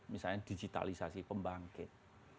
misalnya digitalisasi pembangkit